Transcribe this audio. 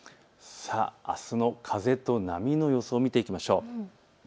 あすの風と波の予想を見ていきましょう。